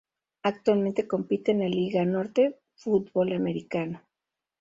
Actualmente compite en la Liga Norte Fútbol Americano.